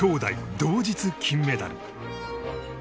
同日金メダル。